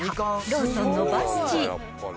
ローソンのバスチー。